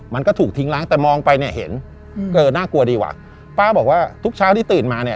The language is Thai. มันก็ถูกทิ้งล้างแต่มองไปเนี่ยเห็นอืมเออน่ากลัวดีว่ะป้าบอกว่าทุกเช้าที่ตื่นมาเนี่ย